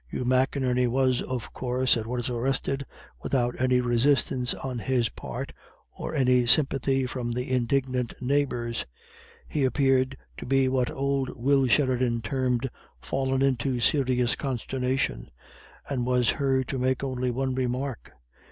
Hugh McInerney was, of course, at once arrested, without any resistance on his part, or any sympathy from the indignant neighbours. He appeared to be what old Will Sheridan termed, "fallen into a serious consternation," and was heard to make only one remark.